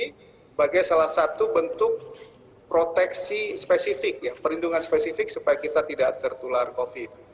sebagai salah satu bentuk proteksi spesifik perlindungan spesifik supaya kita tidak tertular covid